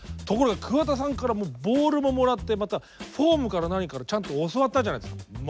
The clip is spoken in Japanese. ところが桑田さんからボールももらってまたフォームから何からちゃんと教わったじゃないですか。